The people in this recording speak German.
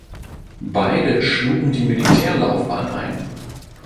Beide schlugen die Militärlaufbahn ein.